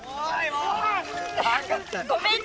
ごめんね。